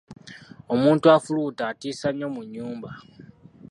Omuntu afuluuta atiisa nnyo mu nnyumba.